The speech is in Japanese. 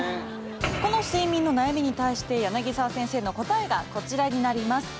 この睡眠の悩みに対して柳沢先生の答えがこちらになります。